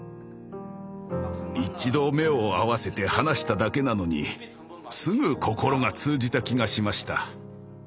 一度目を合わせて話しただけなのにすぐ心が通じた気がしました。